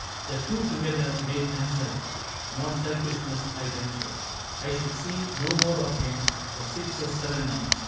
The two together made anxiety — Not selfishness, I ventured. I should see No more of him for six or seven months.